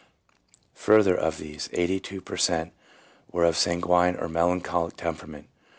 Further, of these, 82 per cent, were of sanguine or melancholic temperament.